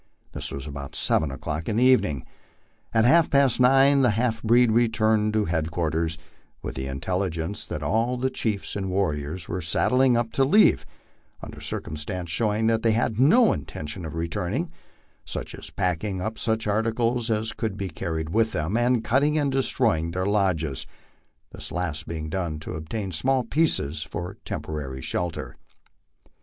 This was about seven o'clock in the evening. At half past nine the half breed returned to headquarters, with the intelligence that all the chiefs and warriors were saddling up to leave, under circumstances show ing that they had no intention of returning, such as packing up such articles as could be carried with them, and cutting and destroying their lodges, this last being done to obtain small pieces for temporary shelter.